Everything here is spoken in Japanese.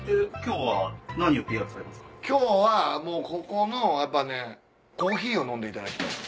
今日はもうここのやっぱねコーヒーを飲んでいただきたい。